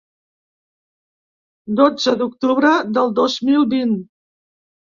Dotze d'octubre del dos mil vint.